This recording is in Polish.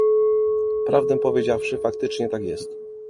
Prawdę powiedziawszy, faktycznie tak jest